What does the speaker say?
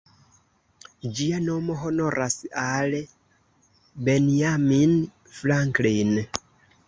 Ĝia nomo honoras al Benjamin Franklin.